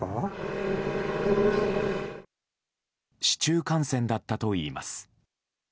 市中感染だったといいます。